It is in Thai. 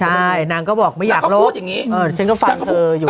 ใช่นางก็บอกไม่อยากรู้อย่างนี้ฉันก็ฟังเธออยู่